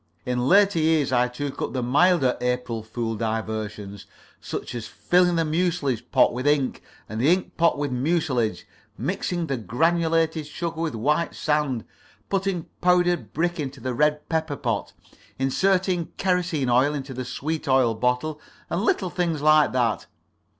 In later years I took up the milder April fool diversions, such as filling the mucilage pot with ink and the ink pot with mucilage; mixing the granulated sugar with white sand; putting powdered brick into the red pepper pot; inserting kerosene oil into the sweet oil bottle, and little things like that.